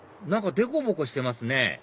何かでこぼこしてますね